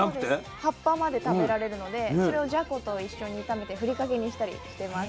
葉っぱまで食べられるのでそれをじゃこと一緒に炒めて振りかけにしたりしてます。